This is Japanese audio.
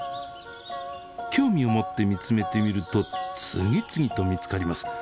興味を持って見つめてみると次々と見つかります。